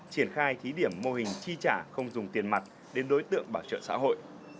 triển khai thí điểm mô hình chi trả không dùng tiền mặt đến đối tượng bảo trợ xã hội